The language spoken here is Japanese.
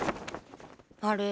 あれ？